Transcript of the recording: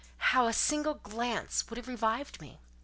—how a single glance would have revived me!